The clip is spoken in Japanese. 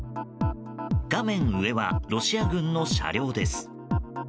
画面上はロシア軍の車両です。